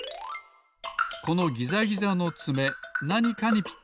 このギザギザのつめなにかにぴったりのかたちです。